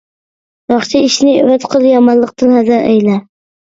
ياخشى ئىشنى ئۈمىد قىل، يامانلىقتىن ھەزەر ئەيلە.